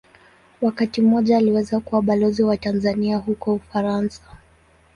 Wakati mmoja aliweza kuwa Balozi wa Tanzania huko Ufaransa.